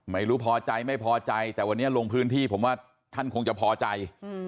ไม่พอใจไม่พอใจแต่วันนี้ลงพื้นที่ผมว่าท่านคงจะพอใจ